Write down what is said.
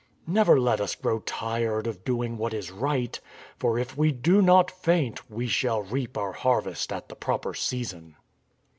"Never let us grow tired of doing what is right; for if we do not faint we shall reap our harvest at the proper season."